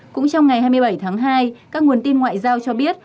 cũng trong ngày hai mươi bảy tháng hai các nguồn tin ngoại giao cho biết